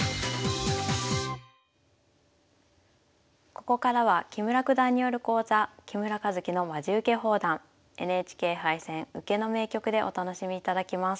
ここからは木村九段による講座「木村一基のまじウケ放談ＮＨＫ杯戦・受けの名局」でお楽しみいただきます。